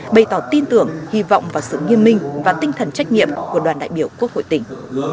bày tỏ tin tưởng hy vọng và sự nghiêm minh và tinh thần trách nhiệm của đoàn đại biểu quốc hội tỉnh